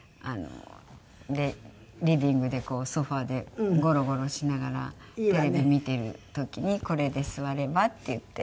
でリビングでこうソファでゴロゴロしながらテレビ見ている時にこれで座ればっていって。